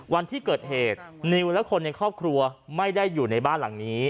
วันที่เกิดเหตุนิวและคนในครอบครัวไม่ได้อยู่ในบ้านหลังนี้